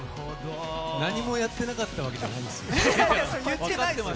何もやってなかったわけじゃないですよ？